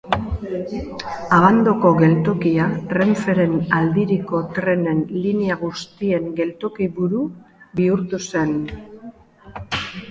Abandoko geltokia Renferen aldiriko trenen linea guztien geltoki-buru bihurtu zen.